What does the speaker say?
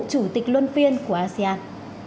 chủ tịch luân phiên của asean